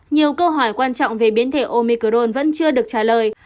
nhiều câu hỏi quan trọng về biến thể omicron vẫn chưa được trả lời